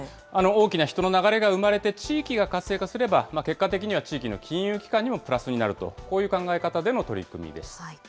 大きな人の流れが生まれて、地域が活性化すれば、結果的には地域の金融機関にもプラスになると、こういう考え方での取り組みです。